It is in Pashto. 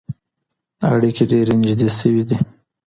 اړیکي ډېرې نږدې سوې دي.